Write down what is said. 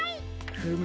フム。